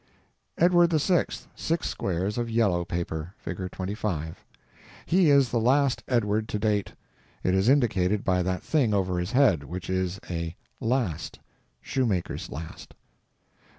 Edward VI.; six squares of _yellow _paper. (Fig. 25.) He is the last Edward to date. It is indicated by that thing over his head, which is a last—shoemaker's last.